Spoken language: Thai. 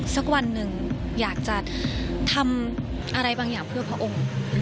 สักวันหนึ่งอยากจะทำอะไรบางอย่างเพื่อพระองค์